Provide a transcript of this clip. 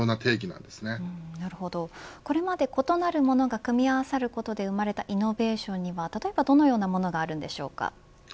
なるほど、これまで異なるものが組み合わさることで生まれたイノベーションには、例えばどのようなものがあるんでしょうか。